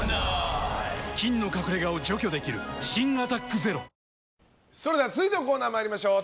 菌の隠れ家を除去できる新「アタックＺＥＲＯ」それでは続いてのコーナー参りましょう！